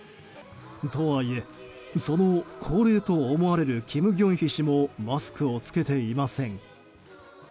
とはいえ、その高齢と思われる金慶喜氏もマスクを着けていません。